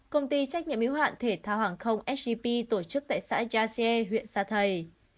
công ty trách nhiệm yếu hạn thể thao hàng không sgp tổ chức tại xã gia xê huyện sa thầy